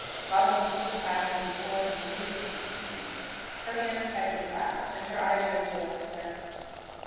Rosalind stood silently before him when he had ceased to speak, her hands tightly clasped, and her eyes riveted on the ground.